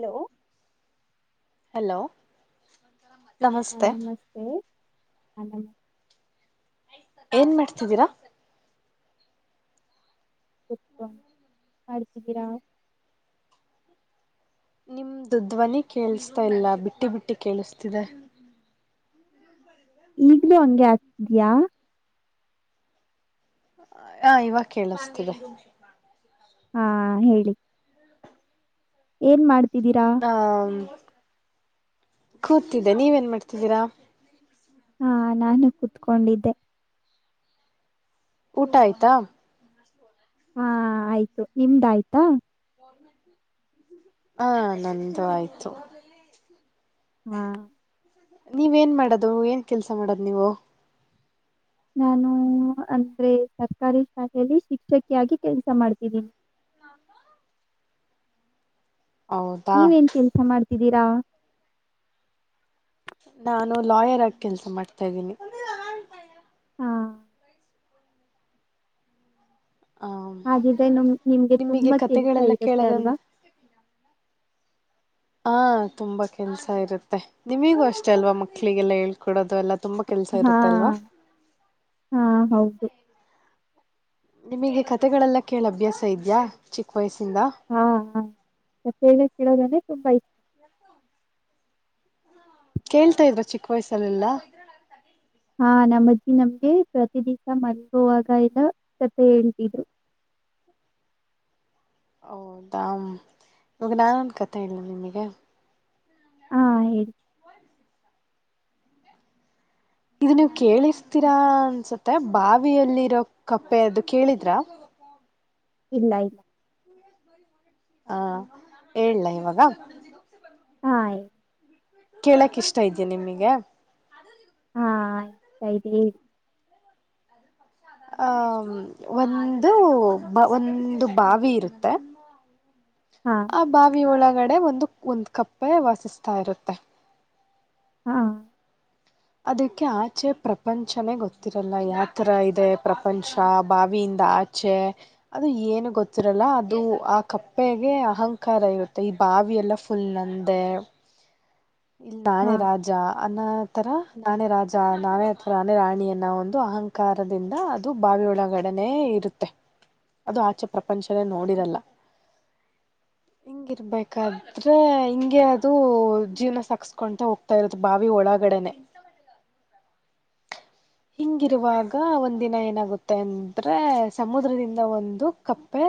Hello. Hello ನಮಸ್ತೆ. ಹ್ಮ್ [unintelligible] ಏನ್ ಮಾಡ್ತಿದ್ದಿರಾ. [unintelligible] ಮಾಡ್ತಿದ್ದೀರಾ. ನಿಮ್ದು ಧ್ವನಿ ಕೇಳಸ್ತಾ ಇಲ್ಲ ಬಿಟ್ಟಿ ಬಿಟ್ಟಿ ಕೇಳಿಸ್ತಿದೆ. ಇಗ್ಲೂ ಹಂಗೆ ಆಗ್ತಿದಿಯಾ ಹಾ ಇವಾಗ ಕೇಳಿಸ್ತಿದೆ. ಹಾ ಹೇಳಿ ಏನ್ ಮಾಡ್ತಿದ್ದೀರಾ ಹಾ ಕೂತಿದ್ದೆ ನೀವೇನ್ ಮಾಡ್ತಿದ್ದೀರಾ ಹಾ ನಾನು ಕುತ್ಕೊಂಡಿದ್ದೆ ಊಟ ಆಯ್ತಾ [inaudible] ಹ್ಮು ಆಯ್ತು ನಿಮ್ದ್ ಆಯ್ತಾ [unintelligible] [inaudible] ಹಾ ನಂದು ಆಯ್ತು ಹಾ ನೀವೇನ್ ಏನ್ ಮಾಡೋದು ಏನ್ ಕೆಲಸ ಮಾಡೋದ್ ನೀವು ನಾನೂ ಅಂದ್ರೆ ಸರ್ಕಾರಿ ಶಾಲೆಯಲ್ಲಿ ಶಿಕ್ಷಕಿಯಾಗಿ ಕೆಲ್ಸ ಮಾಡ್ತಿದ್ದೀನಿ ಹೌದಾ ನೀವೇನ್ ಕೆಲ್ಸ ಮಾಡ್ತಿದ್ದೀರಾ ನಾನು ಲಾಯರ್ ಆಗಿ ಕೆಲ್ಸ ಮಾಡ್ತಾ ಇದ್ದೀನಿ ಹಾ ಹಾಗಿದ್ರೆ ನಮ್ ನಿಮ್ಗೆ ನಿಮಗೆ ತುಂಬಾ ಕೆಲ್ಸ ಕತೆಗಳೆಲ್ಲ ಇರುತ್ತೆ ಕೇಳೋದಂದ ಅಲ್ವಾ. ಹಾ ತುಂಬಾ ಕೆಲ್ಸ ಇರುತ್ತೆ ನಿಮಿಗೂ ಅಷ್ಟೇ ಅಲ್ವಾ ಮಕ್ಳಿಗೆಲ್ಲ ಹೇಳ್ಕೊಡೋದು ಎಲ್ಲಾ ತುಂಬಾ ಕೆಲ್ಸ ಹಾ ಇರುತ್ತೆ ಅಲ್ವಾ ಹ್ಮು ಹೌದು ನಿಮಗೆ ಕತೆೆಗಳೆಲ್ಲ ಕೇಳ ಅಭ್ಯಾಸ ಇದ್ಯಾ ಚಿಕ್ಕ ವಯಸ್ಸಿಂದ ಹಾ ಹ [unintelligible] ಕಥೆಗಳ್ ಕೇಳೋದಂದ್ರೆ ತುಂಬಾ ಇಷ್ [inaudible] [inaudible] ಕೇಳ್ತಾಇದ್ರ ಚಿಕ್ಕ ವಯಸ್ಸಲೆಲ್ಲಾ ಹಾ ನಮ್ಮಜ್ಜಿ ನಮ್ಗೆ ಪ್ರತಿ ದಿವಸ ಮಲ್ಗೋವಾಗ [unintelligible] ಕತೆ ಹೇಳ್ತಿದ್ರು. ಹೌದಾ ಇವಾಗ ನಾನೊಂದು ಕಥೆ ಹೇಳ್ಳ ನಿಮಿಗೆ ಹಾ ಹೇಳಿ [inaudible] ಇದು ನೀವು ಕೇಳಿಸ್ತೀರಾ ಅನ್ಸುತ್ತೆ ಬಾವಿಯಲ್ಲಿರೊ ಕಪ್ಪೆಅದು ಕೇಳಿದ್ರ ಇಲೈ [inaudible] ಹಾ ಹೇಳ್ಳ ಇವಾಗ ಹಾಯ್ ಕೇಳಕ್ ಇಷ್ಟ ಇದಿಯ ನಿಮಗೆ ಹಾ ಹ [unintelligible] ಹೇಳಿ ಆ ಒಂದು ಒಂದು ಬಾವಿ ಇರುತ್ತೆ [inaudible] ಹ ಆ ಬಾವಿಒಳಗಡೆ ಒಂದು ಒಂದು ಕಪ್ಪೆ ವಾಸಿಸ್ತಾ ಇರುತ್ತೆ ಹ್ಮು ಅದಕ್ಕೆ ಆಚೆ ಪ್ರಪಂಚನೇ ಗೊತ್ತಿರಲ್ಲ ಯಾತರ ಇದೆ ಪ್ರಪಂಚ ಬಾವಿಯಿಂದ ಆಚ್ ಚೆ ಅದು ಏನು ಗೊತ್ತಿರಲ್ಲ ಅದು ಆ ಕಪ್ಪೆಗೆ ಅಹಂಕಾರ ಇರುತ್ತೆ ಈ ಬಾವಿಯೆಲ್ಲ [unintelligible] ಇಲ್ಲಿ ನಾನೇ ಹಾ ರಾಜ ಅನ್ನ ತರ ನಾನೇ ರಾಜ ನಾನೇ ಅಥವಾ ನಾನೇ ರಾಣಿಯ ಅನ್ನ ಒಂದು ಅಹಂಕಾರ ಕಾರದಿಂದ ಅದು ಬಾವಿಯೊಳಗಡನೆ ಇರುತ್ತೆ ಅದು ಆಚೆ ಪ್ರಪಂಚನೇ ನೋಡಿರಲ್ಲ ಹಿಂಗಿರ್ಬೇಕಾದ್ರೆ ಹಿಂಗಗೆ ಅದು ಜೀವನ ಸಕ್ಸ್ಕೊಂತಾ ಹೋಗ್ತಾ ಇರತ್ತದು ಬಾವಿ ಒಳಗಡೆನೆ ಹಿಂಗಿರುವಾಗ ಒಂದಿನ ಏನಾಗುತ್ತೆ ಅಂದ್ರೆ ಸಮುದ್ರದಿಂದ ಒಂದು ಕಪ್ಪೆ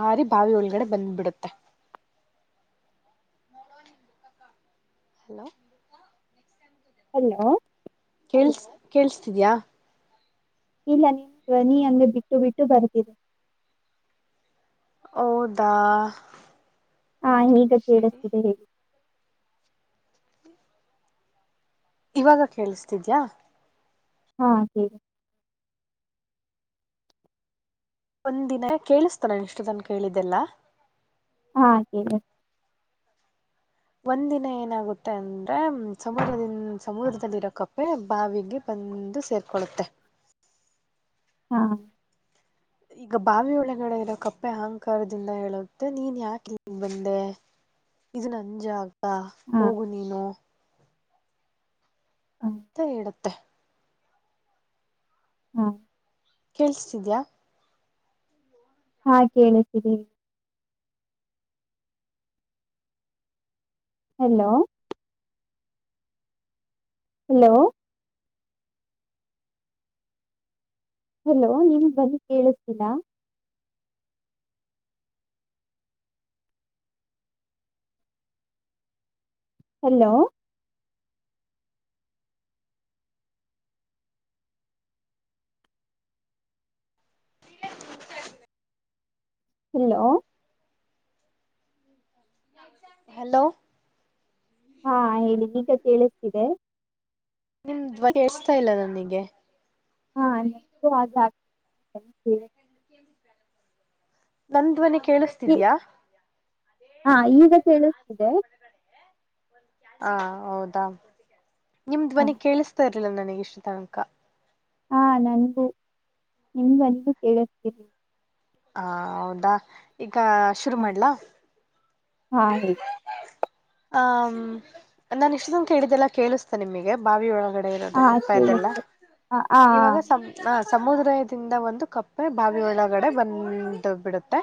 ಹಾರಿ ಬಾವಿ ಒಳಗಡೆ ಬಂದುಬಿಡುತ್ತೆ ಹಲೋ ಹಲೋ ಕಳ್ಸ್ ಕೇೇಳಸ್ತಿದಯಾ ಇಲ್ಲ ನಿ ನೀ ಹಂಗೆ ಬಿಟ್ಟು ಬಿಟ್ಟು ಬರ್ತೀರಿ ಹೌದ ಹಾ ಈಗ ಕೇಳಿಸ್ತಿದೆ ಹಿ ಇವಾಗ ಕೇಳಿಸತಿದ್ಯಾ [unintelligible] ಒಂದ್ ದಿನ ಕೇಳಿಸ್ತ ನಾನು ಇಷ್ಟ ತನ್ ಕೇಳಿದ್ದೆಲ್ಲಾ ಹಾ ಒಂದ ದಿನ ಏನಾಗುತ್ತೆ ಅಂದ್ರೆ ಸಮುದ್ರದಿಂದ ಸಮುದ್ರದಲ್ಲಿರೋ ಕಪ್ಪೆ ಬಾವಿಗೆ ಬಂದು ಸೇರ್ಕೊಳ್ಳುತ್ತೆ ಹಾ ಈಗ ಬಾವಿ ಒಳಗಡೆ ಇರೋ ಕಪ್ಪೆ ಅಹಂಕಾರದಿಂದ ಹೇಳುತ್ತೆ ನೀನ್ ಯಾಕೆ ಬಂದೆ ಇ ನಂಜ ಆಗ ಹಾ ಹೋಗು ನೀನು ಹಾ ಅಂತ ಹೇಳುತ್ತೆ ಹಾ ಕೇೇಳಸ್ತಿದ್ಯಾ ಹಾ ಕೇಳುತ್ತಿದೆ ಹಲೋ ಹಲೋ ಹಲೋ ನೀನು ಬನ್ನಿ ಕೇಳಿಸ್ತೀರಾ ಹಲೋ ಹಲೋ ಹಲೋ ಹಾ ಹೇಳಿ ಈಗ ಕೇಳಿಸ್ತಿದೆ [unintelligible] ಎಸ್ತಾ ಇಲ್ಲ ನನಗೆ [unintelligible] ನಂದ್ವನಿ ಕೇಳಿಸ್ತಿದಯಾ ಹಾ ಈಗ ಕೇಳಿಸ್ತಿದೆ ಹಾ ಹೌದಾ ನಿಮ ಹಾ ಧ್ವನಿ ಕೇಳಿಸ್ತಾ ಇರ್ಲಿಲ್ಲ ನನಗ ಇಷ್ಟು ತನಕ ಹಾ ನಂದು ನಿಮಂದು ಕೇಳತೀರಿ ಹ ಹೌದಾ ಈಗ ಶುರು ಹಾ ಮಾಡ್ಲಾ ಹಾ ಹ ನಾನ ಇಷ್ಟನ್ ಕೇಳಿದೆಲ್ಲ ಕೇಳಿಸ ನಿಮಗೆ ಬಾವಿ ಒಳಗಡೆ ಇರೋದು ಹಾ ಕಪ್ಪ ಇದೆಲ್ಲ ಕೇಳಿಸ್ತು ಆ ಆ ಇವಾಗ ಸಂ ಹ ಸಮುದ್ರದಿಂದ ಒಂದು ಕಪ್ಪೆ ಬಾವಿ ಒಳಗಡೆ ಬಂದು ಬಿಡುತ್ತೆ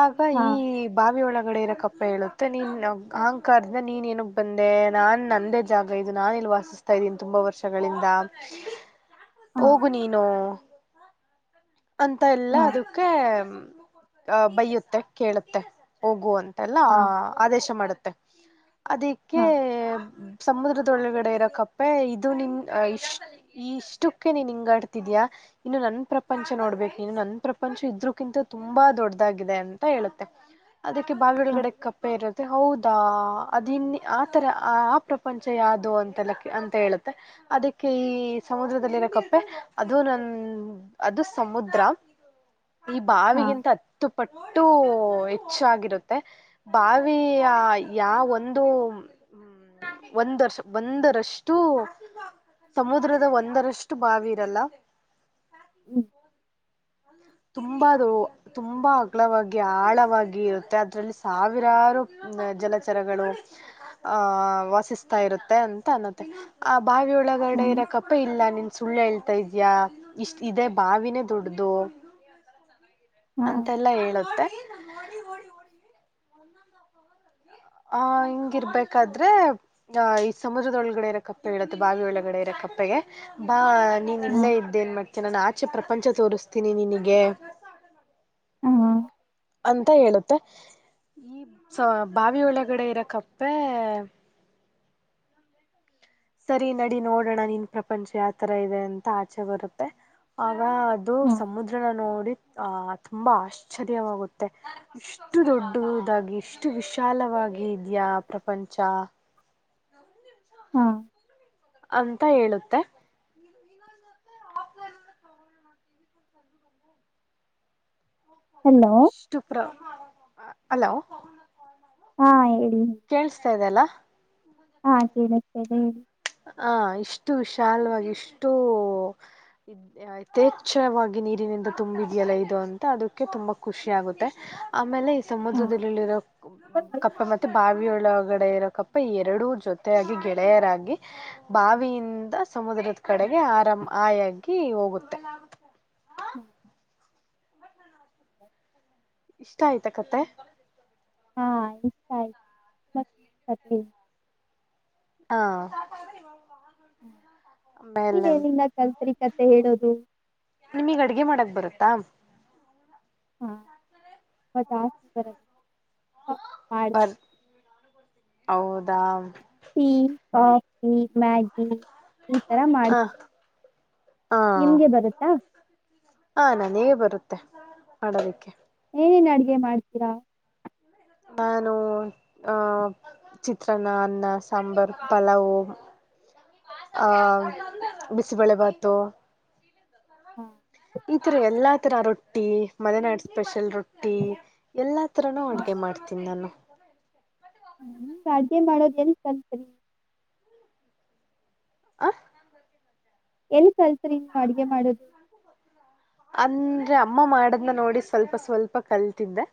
ಆಗ ಹಾ ಈ ಬಾವಿಯ ಒಳಗಡೆ ಇರ ಕ್ಕಪ್ಪ್ ಪೆ ಹೇಳುತ್ತೆ ನೀನ್ ಅಹಂಕಾರದಿಂದ ನೀನ್ ಏನ್ಕು ಬಂದೆ ನಾನ್ ನಂದೇ ಜಾಗ ಇದು ನಾನ ಇಲ್ಲಿ ವಾಸ ತಾ ಇದ್ದೀನಿ ತುಂಬಾ ವರ್ಷಗಳಿಂದ, ಹಾ ಹೋಗು ನೀನು ಅಂತ ಎಲ್ಲ ಹಾ ಅದಕ್ಕೆ ಹ ಬೈಯ್ಯುತ್ತೆ ಕೇಳುತ್ತೆ ಹೋಗು ಅಂತೆಲ್ಲಾ ಹಾ ಆದೇಶ ಮಾಡುತ್ತೆ. ಅದಿಕ್ಕೆ ಹಾ ಸಮುದ್ರದ್ ಒಳಗಡೆ ಇರೊ ಕಪ್ಪೆ ಇದು ನಿನ್ ಇಷ್ ಇಷ್ಟುಕ್ಕೆ ನೀನ್ ಹಿಂಗಾಡ್ತಿದಿಯಾ ಇನ್ನು ನನ್ ಪ್ರಪಂಚ ನೋಡ್ಬೇಕು ನೀನು ನನ್ ಪ್ರಪಂಚ ಇದ್ರುಕ್ಕಿಂತ ತುಂಬಾ ದೊಡ್ಡದಾಗಿದೆ ಅಂತ ಹೇಳುತ್ತೆ. ಅದಕ್ಕೆ ಬಾವಿ ಹಾ ಒಳಗಡೆ ಕಪ್ಪೆ ಇರುತ್ತ್ ತ್ತೆ ಹೌದಾ ಅದು ಇನ್ನು ಆ ಥರ ಆ ಪ್ರಪಂಚ ಯಾವುದು ಅಂತೆಲ್ಲ ಅಂತ ಹೇಳುತ್ತೆ. ಅದಕ್ಕೆ ಈ ಸಮುದ್ರದಲ್ಲಿರೋ ಕಪ್ಪೆ ಅದು ನನ್ ಅದು ಸಮುದ್ರ. ಈ ಹಾ ಬಾವಿಗಿಂತ ಹತ್ತು ಪಟ್ಟು ಹೆಚ್ಚಾಗಿರುತ್ತ್ ತ್ತ ಬಾವಿಯ ಯಾವೊಂದು ಒಂದ್ ವರ್ಷ ಒಂದರಷ್ಟು ಸಮುದ್ರದ ಒಂದರಷ್ಟು ಬಾವಿ ಇರಲ್ಲ. ಹ್ಮ್ ತುಂಬದು ತುಂಬಾ ಅಗಲವಾಗಿ ಆಳವಾಗಿ ಇರುತ್ತೆ ಅದ್ರಲ್ಲಿ ಸಾವಿರಾರು ಜಲಚರಗಳು ಆಹ ವಾಸಿಸ್ತಾ ಇರುತ್ತೆ ಅಂತ ಅನತ್ತೆ. ಆ ಬಾವಿಯ ಒಳಗಡೆ ಹ್ಮ್ ಇರಕಪ್ಪೆ ಇಲ್ಲ ನಿ ಸುಳ್ಳು ಹೇಳ್ತಾ ಇದ್ಯಾ ಇಷ್ಟ್ ಇದೇ ಬಾವಿನೇ ದೊಡ್ದು. ಹಾ ಅಂತೆಲ್ಲಾ ಹೇಳುತ್ತೆ. ಆಹ ಹಿಂಗಿರ್ಬೇಕಾದ್ರೆ ಆ ಈ ಸಮುದ್ರದೊಳಗಡೆ ಇರೋ ಕಪ್ಪೆ ಹೇಳತ್ತೆ ಬಾವಿ ಒಳಗಡೆ ಇರೋ ಕಪ್ಪೆಗೆ ಬಾ ನೀನ್ ಹಾ ಇಲ್ಲೇ ಇದ್ದೇನ್ ಮತ್ತೆ ನಾನ್ ಆಚೆ ಪ್ರಪಂಚ ತೋರಿಸ್ತೀನಿ ನಿನಗೆ ಹಾ ಅಂತ ಹೇಳುತ್ತೆ ಸೋ ಬಾವಿ ಒಳಗಡೆ ಇರಕಪ್ಪೆ ಸರಿ ನಡಿ ನೋಡೋಣ ನಿನ್ ಪ್ರಪಂಚ ಯಾವತರ ಇದೆ ಅಂತ ಆಚೆ ಬರುತ್ತೆ. ಆಗ ಅದು ಹಾ ಸಮುದ್ರನ ನೋಡಿ ಆ ತುಂಬಾ ಆಶ್ಚರ್ಯವಾಗುತ್ತೆ. ಇಷ್ಟು ದೊಡ್ಡದಾಗಿ ಇಷ್ಟು ವಿಶಾಲವಾಗಿ ಇದ್ಯಾ ಪ್ರಪಂಚ. ಹಾ ಅಂತ ಹೇಳುತ್ತೆ. ಹಲೋ ಇಷ್ಟು ಪ್ರ ಹಲೋ ಹಾ ಹೇಳಿ. ಕೇಳಸ್ತಾ ಇದೆ ಅಲ್ಲಾ? ಹಾ ಕೇಳುತ್ತೇ ಹೇಳಿ. ಹಾಂ ಇಷ್ಟು ವಿಶಾಲವಾಗಿ ಇಷ್ಟು ಯಥೇಚ್ಛವಾಗಿ ನೀರಿನಿಂದ ತುಂಬಿದೆಯಲ್ಲ ಇದು ಅಂತ ಅದಕ್ಕೆ ತುಂಬಾ ಖುಷಿ ಆಗುತ್ತೆ. ಆಮೇಲೆ ಈ ಹಾ ಸಮುದ್ರದಲ್ಲಿರೋ ಕಪ್ಪೆ ಮ ತ್ತು ಬಾವಿಯೊಳಗಡೆ ಇರೋ ಕಪ್ಪೆ ಎರಡೂ ಜೊತೆಯಾಗಿ ಗೆಳೆಯರಾಗಿ ಬಾವಿಯಿಂದ ಸಮುದ್ರದ ಕಡೆಗೆ ಆರಾಮ ಹಾಯಾಗಿ ಹೋಗುತ್ತೆ. [inaudible] ಇಷ್ಟ ಆಯ್ತಾ ಕತೆ? ಹಾ ಇಷ್ಟ ಆಯ್ತು [unintelligible] ಹಾ ಹ್ಮ ಆಮೇಲೆ ನೀನೆಲ್ಲಿಂದ ಕಲ್ತ್ರಿ ಕತೆೆ ಹೇಳೋದು. ನಿಮಗ್ ಅಡ್ಗೆ ಮಾಡಕ್ ಬರುತ್ತಾ. ಹಾ [inaudible] ಮಾಡ್ತೀರಾ ಬರ್ [unintelligible] ಹೌದಾ ಟೀ ಕಾಫಿ ಮ್ಯಾಗಿ ಈ ತರ ಮಾಡ್ ಹ [unintelligible] ಹಾ ನಿಮ್ಗೆ ಬರುತ್ತಾ ಹಾ ನಾನ ಹೇಗೆ ಬರುತ್ತೆ ಮಾಡೋದಕ್ಕೆ. ಏನೇನು ಅಡುಗೆ ಮಾಡ್ತೀರಾ. ನಾನು ಆ ಚಿತ್ರಾನ್ನ ಅನ್ನ ಸಾಂಬಾರ್ ಪಲಾವವು ಆ ಬಿಸಿಬಳೆ ಭಾತು [inaudible] ಈ ತರ ಎಲ್ಲಾ ತರ ರೊಟ್ಟಿ ಮದನಾಡು ಸ್ಪೆಷಲ್ ರೊಟ್ಟಿ ಎಲ್ಲಾ [unintelligible] ತ್ರನು ಹಾಂ ಅಡುಗೆ ಮಾಡ್ತೀನಿ ನಾನು. ಹ್ಮ್ ಅಡ್ಗೆ ಮಾಡೋದ ಎಂಗ್ ಕಲ್ಟ್ರಿ. ಆ ಎಲ್ಲಿ ಕಲ್ತ್ರಿ ನೀವು ಅಡ್ಗೆ ಮಾಡದು ಅಂದ್ರೆ ಅಮ್ಮ ಮಾಡದ್ನ ನೋಡಿ ಸ್ವಲ್ಪ ಸ್ವಲ್ಪ ಕಲ್ತಿದ್ದೆ.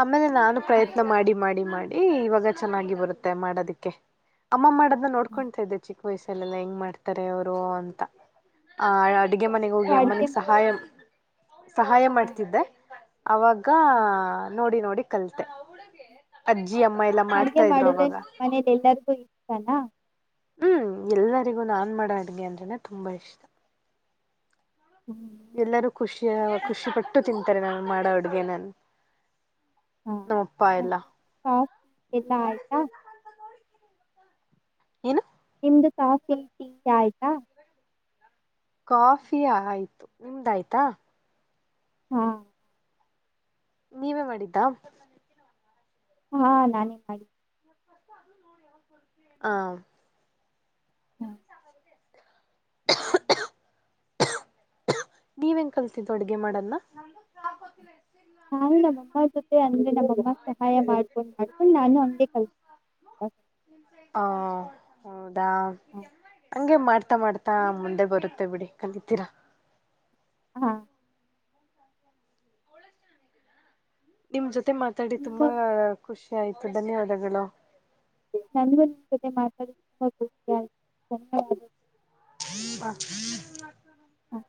ಆಮೇಲೆ ನಾನು ಹಾಂ ಪ್ರಯತ್ನ ಮಾಡಿ ಮಾಡಿ ಮಾಡಿ ಈ ಇವಾಗ ಚೆನ್ನಾಗಿ ಬರುತ್ತೆ ಮಾಡೋದಿಕ್ಕೆ ಅಮ್ಮ ಮಾಡೋದನ್ನ ಹಾಂ ನೋಡ್ಕೊತಾ ಇದ್ದೆ ಚಿಕ್ ವಯಸ್ಸಲ್ಲೆಲ್ಲ ಹೆಂಗ್ ಮಾಡ್ತಾರೆ ಅವರು ಅಂತ ಆ ಅಡುಗೆ ಮನೆಗೆ ಹೋಗಿ ನೀವು ಅಡುಗೆ ಅಮ್ಮನಿಗೆ ಸಹಾಯ ಸಹಾಯ ಹಾಂ ಮಾಡ್ತಿದ್ದೆ ಅವಾಗ ಹಾಂ ನೋಡಿ ನೋಡಿ ಕಲ್ತೆೆ. ಅಜ್ಜಿ ಅಮ್ಮ ಎಲ್ಲಾ ಅಡುಗೆ ಮಾಡ್ತಾ ಇದ್ರು ಮಾಡಿದ್ರೆ ಅವಾಗ. ನಿಮ್ಮ ಮನೇಲಿ ಎಲ್ಲರಿಗು ಇಷ್ಟನ. ಹ್ಮ್ ಎಲ್ಲರಿಗೂ ನಾನ್ ಮಾಡೋ ಅಡ್ಗೆ ಅಂದ್ರನೆ ತುಂಬಾ ಇಷ್ಟ. ಹ್ಮ್ ಎಲ್ಲರೂ ಖುಷಿಯ ಖುಷಿಪಟ್ಟು ತಿಂತಾರೆ ನಾನು ಮಾಡೋ ಅಡ್ಗೆ ನನ್ ನಮ್ಮಪ್ಪ ಎಲ್ಲಾ ಹ ಎಲ್ಲಾ ಆಯ್ತಾ ಏನು ನಿಮ್ದು ಕಾಫಿ ಟೀ ಆಯ್ತಾ ಕಾಫಿಯಾ ಆಯ್ತು ನಿಮ್ದ ಆಾಯ್ತಾ ಹಾ ನೀವೇ ಮಾಡಿದ್ದ ಹಾ ನಾನ ಪಿ [inaudible] ಹ ಹಾಂ [inaudible] ನೀವ ನ್ ಕಲ್ಸಿದು ಅಡ್ಗೆ ಮಾಡನ್ನ ನಾನು ನಮ್ಮಮ್ಮ ಜೊತೆ ಅಂದ್ರೆ ನಮ್ಮಮ್ಮ ಸಹಾಯ ಮಾಡ್ಕೊಂಡ್ ಮಾಡ್ಕೊಂಡು ನಾನು ಅಂಗೆ ಕಲ್ಿ ಹ ಹೌದಾ ಹಾಂ ಹಂಗೆ ಮಾಡ್ತಾ ಮಾಡ್ತಾ ತ್ತಾ ಮುಂದೆ ಬರುತ್ತೆ ಬಿಡಿ ಕಲಿತೀರಾ ಹಾ ನಿಮ್ ಜೊತೆ ಮಾತಾಡಿ ನಿಮ್ಮ ತುಂಬಾ ಖುಷಿ ಆಯ್ತು ಧನ್ಯವಾದಗಳು ನನಗೂ ನಿನ್ನ ಜೊತೆ ಮಾತಾಡಿ ತುಂಬಾ ಖುಷಿ ಆಯ್ತು ಧನ್ಯವಾದಗಳು. [inaudible] ಹ್ಮ.